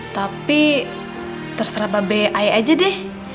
tapi terserah mbak bele aja deh